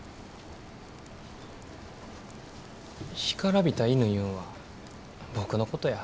干からびた犬いうんは僕のことや。